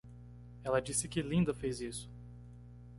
Ela disse que Linda fez isso!